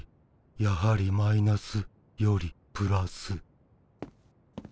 やはりマイナスよりプラス。